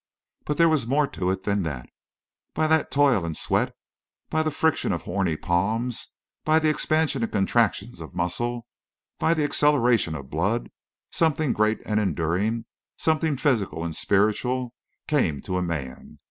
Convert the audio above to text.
But there was more to it than that. By that toil and sweat, by the friction of horny palms, by the expansion and contraction of muscle, by the acceleration of blood, something great and enduring, something physical and spiritual, came to a man.